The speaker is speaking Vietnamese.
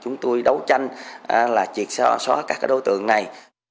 chúng tôi đấu tranh là triệt xóa các đối tượng này